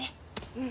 うん。